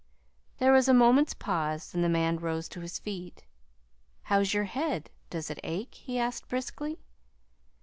There was a moment's pause, then the man rose to his feet. "How's your head? Does it ache?" he asked briskly.